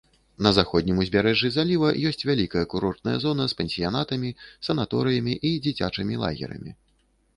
На заходнім узбярэжжы заліва ёсць вялікая курортная зона з пансіянатамі, санаторыямі і дзіцячымі лагерамі.